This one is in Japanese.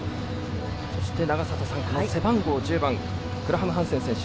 そして、背番号１０番グラハムハンセン選手。